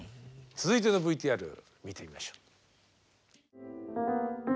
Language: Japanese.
続いてのＶＴＲ見てみましょう。